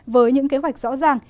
với những kế hoạch rõ ràng